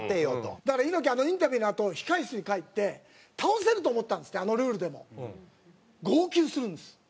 だから猪木あのインタビューのあと控室に帰って倒せると思ったんですってあのルールでも。号泣するんです。